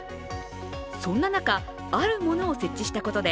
そんな中、あるものを設置したことで